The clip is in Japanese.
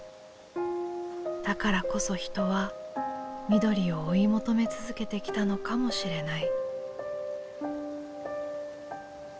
だからこそ人は緑を追い求め続けてきたのかもしれない。